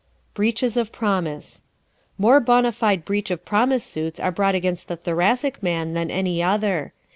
Breaches of Promise ¶ More bona fide breach of promise suits are brought against the Thoracic man than any other.